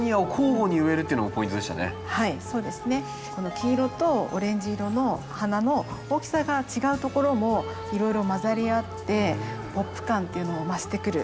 黄色とオレンジ色の花の大きさが違うところもいろいろ混ざり合ってポップ感っていうのも増してくると思いませんか？